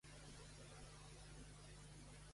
Sempre integrat als governs del socialista Joan Lerma.